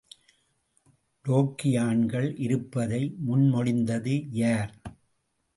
டேக்கியான்கள் இருப்பதை முன்மொழிந்தது யார்?